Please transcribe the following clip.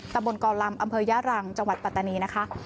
ตะบนกอลำอำเภอย่ารังจังหวัดปัตตานีนะคะ